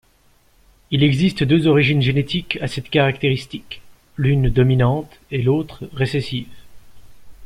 Il existe deux origines génétiques à cette caractéristique, l'une dominante et l'autre récessive.